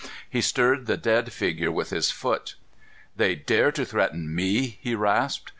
He stirred the dead figure with his foot. "They dare to threaten me!" he rasped.